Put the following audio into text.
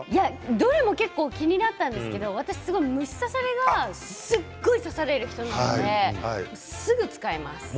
どれも気になったんですけど虫刺されがすごい刺される人なのですぐ使います。